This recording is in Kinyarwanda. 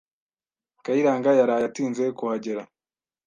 Kayiranga yaraye atinze kuhagera.